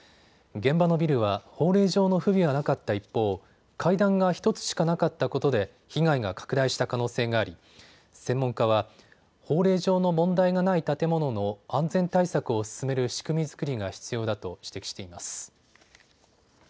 現場のビルは法令上の不備はなかった一方、階段が１つしかなかったことで被害が拡大した可能性があり専門家は法令上の問題のない建物の安全対策を進める仕組み作りが必要だと指摘しています。